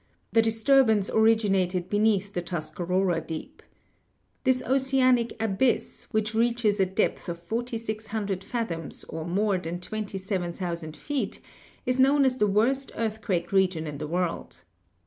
The disturbance originated beneath the Tuscarora Deep. This oceanic abyss, which reaches a depth of forty six hundred fathoms, or more than twenty seven thousand feet, is known as the worst earthquake region in the world.